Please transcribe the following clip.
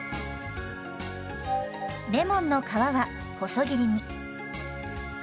レモンの皮は細切りに。